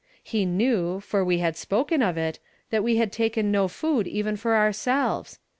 He knew, for Ave had spoken of it, that we had taken no food even for ourselves.